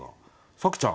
紗季ちゃん